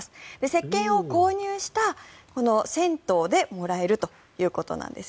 せっけんを購入した銭湯でもらえるということです。